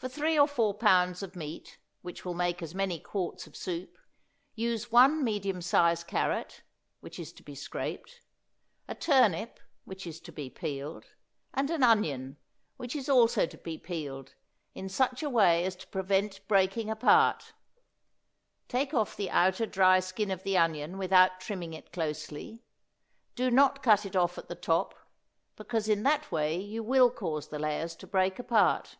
For three or four pounds of meat, which will make as many quarts of soup, use one medium size carrot, which is to be scraped, a turnip, which is to be peeled, and an onion, which is also to be peeled, in such a way as to prevent breaking apart; take off the outer dry skin of the onion without trimming it closely; do not cut it off at the top, because in that way you will cause the layers to break apart.